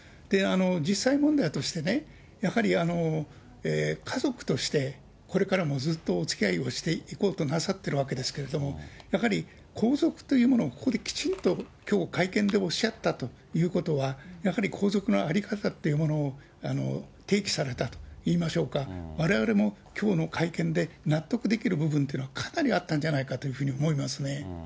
実際問題として、やはり家族として、これからもずっとおつきあいをしていこうとなさってるわけですけれども、やはり皇族というものを、ここできちんと、きょう会見でおっしゃったということは、やはり皇族の在り方というものを提起されたといいましょうか、われわれもきょうの会見で納得できる部分というのは、かなりあったんじゃないかというふうに思いますね。